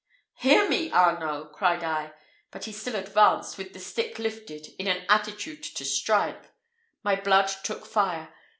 "Hear me, Arnault!" cried I; but he still advanced with the stick lifted, in an attitude to strike. My blood took fire.